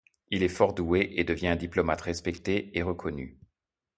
Il est fort doué et devient un diplomate respecté et reconnu.